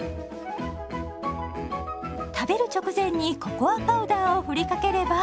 食べる直前にココアパウダーをふりかければ。